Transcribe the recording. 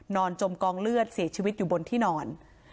จมกองเลือดเสียชีวิตอยู่บนที่นอน